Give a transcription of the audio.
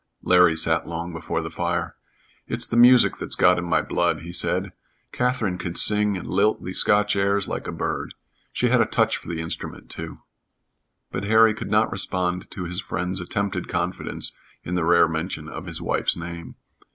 Larry sat long before the fire. "It's the music that's got in my blood," he said. "Katherine could sing and lilt the Scotch airs like a bird. She had a touch for the instrument, too." But Harry could not respond to his friend's attempted confidence in the rare mention of his wife's name.